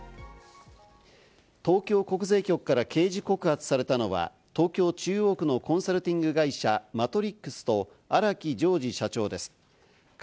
東京国税局から刑事告発されたのは、東京・中央区のコンサルティング会社・ＭＡＴＲＩＸと、荒木襄治社長です。